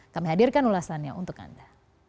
kami hadirkan ulasannya untuk anda